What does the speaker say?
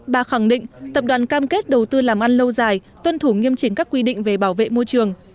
bà khẳng định tập đoàn cam kết đầu tư làm ăn lâu dài tuân thủ nghiêm chỉnh các quy định về bảo vệ môi trường